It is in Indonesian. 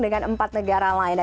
dengan empat negara lainnya